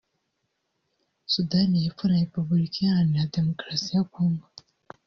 Sudani y’Epfo na Repubulika Iharanira Demokarasi ya Congo